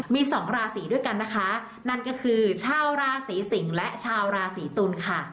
มีสองราศีด้วยกันนะคะนั่นก็คือชาวราศีสิงศ์และชาวราศีตุลค่ะ